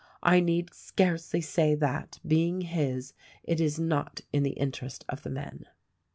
I need scarcely say that, being his, it is not in the interest of the men.